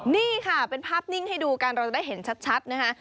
นี่ค่ะเป็นภาพนิ่งให้ดูกันเราจะได้เห็นชัดนะคะ